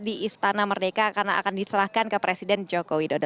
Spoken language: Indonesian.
jadi kita akan menikmati di istana merdeka karena akan diserahkan ke presiden joko widodo